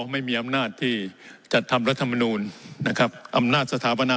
ไม่มีอำนาจที่จัดทำรัฐมนูลนะครับอำนาจสถาปนา